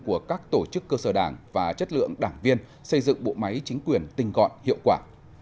của các tổ chức cơ sở đảng và chất lượng đảng viên xây dựng bộ máy chính quyền tinh gọn hiệu quả